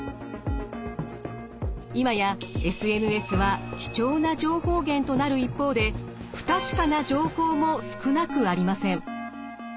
今やＳＮＳは貴重な情報源となる一方で不確かな情報も少なくありません。